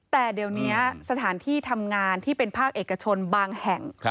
แต่เดี๋ยวนี้สถานที่ทำงานที่เป็นภาคเอกชนบางแห่ง